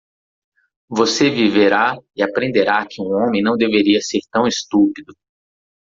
Você viverá? e aprenderá que um homem não deveria ser tão estúpido.